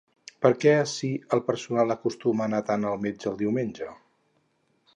Per què ací el personal acostuma a anar tant al metge el diumenge?